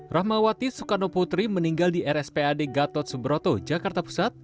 rahmawati soekarno putri meninggal di rspad gatot subroto jakarta pusat